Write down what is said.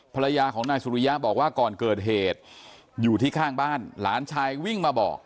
ภรรยาของนายสุริยะบอกว่าก่อนเกิดเหตุอยู่ที่ข้างบ้านหลานชายวิ่งมาบอก